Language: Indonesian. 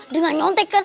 dengan nyontek kan